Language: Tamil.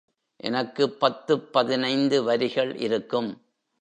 எனக்குப் பத்து பதினைந்து வரிகள் இருக்கும்.